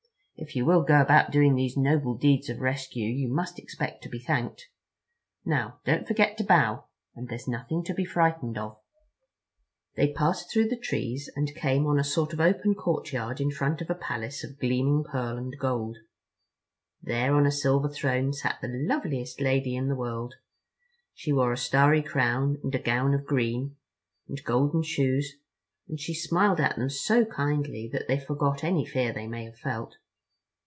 If you will go about doing these noble deeds of rescue you must expect to be thanked. Now, don't forget to bow. And there's nothing to be frightened of." They passed through the trees and came on a sort of open courtyard in front of a palace of gleaming pearl and gold. There on a silver throne sat the loveliest lady in the world. She wore a starry crown and a gown of green, and golden shoes, and she smiled at them so kindly that they forgot any fear they may have felt.